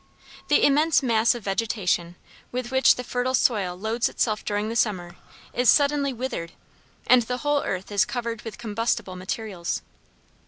The immense mass of vegetation with which the fertile soil loads itself during the summer is suddenly withered, and the whole earth is covered with combustible materials.